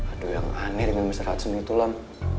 ada yang aneh dengan mr hudson itu lam